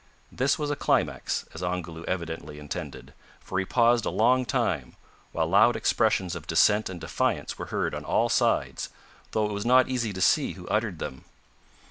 This was a climax, as Ongoloo evidently intended, for he paused a long time, while loud expressions of dissent and defiance were heard on all sides, though it was not easy to see who uttered them.